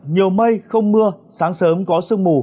nhiều mây không mưa sáng sớm có sương mù